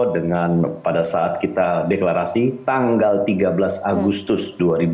dengan pada saat kita deklarasi tanggal tiga belas agustus dua ribu dua puluh